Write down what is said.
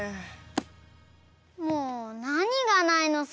もうなにがないのさ？